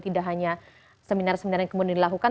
tidak hanya seminar seminar yang kemudian dilakukan